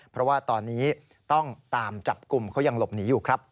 เพราะว่าตอนนี้ต้องตามจับกลุ่มเขายังหลบหนีอยู่ครับ